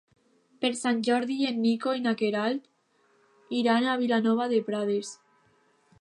Per Sant Jordi en Nico i na Queralt iran a Vilanova de Prades.